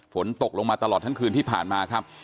ฝนตกลงมาตลอดทั้งคืนที่ผ่านมาครับ